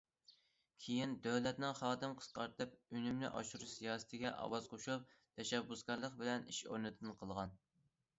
كېيىن دۆلەتنىڭ خادىم قىسقارتىپ، ئۈنۈمنى ئاشۇرۇش سىياسىتىگە ئاۋاز قوشۇپ، تەشەببۇسكارلىق بىلەن ئىش ئورنىدىن قالغان.